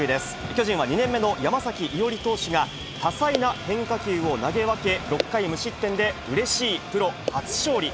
巨人は２年目の山崎伊織投手が多彩な変化球を投げ分け、６回無失点でうれしいプロ初勝利。